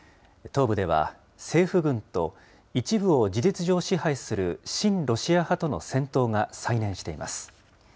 東部では政府軍と、一部を事実上支配する親ロシア派との戦闘が再燃しています。